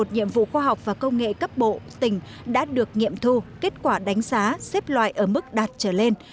một nhiệm vụ khoa học và công nghệ cấp bộ tỉnh đã được nghiệm thu kết quả đánh giá xếp loại ở mức đạt trở lên